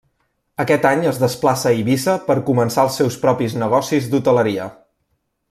Aquest any es desplaça a Eivissa per començar els seus propis negocis d'hoteleria.